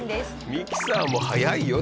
ミキサーも速いよ？